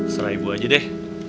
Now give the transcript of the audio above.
serah ibu aja deh